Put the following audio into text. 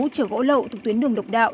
chở gỗ lậu từ tuyến đường độc đạo